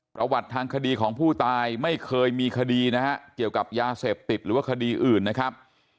ประวัติทางคดีของผู้ตายไม่เคยมีคดีนะฮะเกี่ยวกับยาเสพติดหรือว่าคดีอื่นนะครับ